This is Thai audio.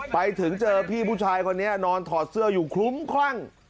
ไปถึงเจอพี่ผู้ชายคนนี้นอนถอดเสื้ออยู่คลุ้มคลั่ง